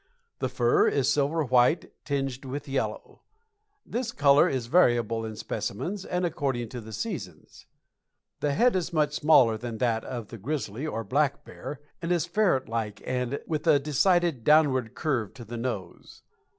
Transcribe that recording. The fur is silver white tinged with yellow. This color is variable in specimens, and according to the seasons. The head is much smaller than that of the grizzly or black bear, and is ferret like, with a decided downward curve to the nose.